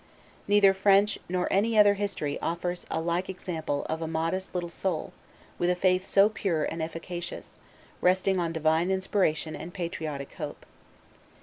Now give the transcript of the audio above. Neither French nor any other history offers a like example of a modest little soul, with a faith so pure and efficacious, resting on divine inspiration and patriotic hope.